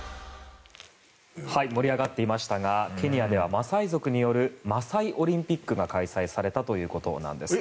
盛り上がっていましたがケニアではマサイ族によるマサイ・オリンピックが開催されたということなんですね。